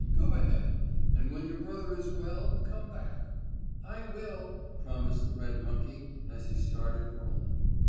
"Go ahead, and when your brother is well, come back." "I will," promised the red monkey, as he started for home.